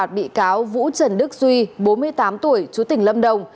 xin phạt bị cáo vũ trần đức duy bốn mươi tám tuổi chú tỉnh lâm đồng